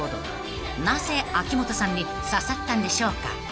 ［なぜ秋元さんに刺さったんでしょうか］